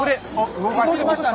移動しましたね。